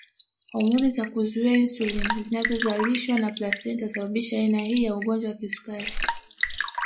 Homoni za kuzuia insulini zinazozalishwa na plasenta husababisha aina hii ya ugonjwa wa kisukari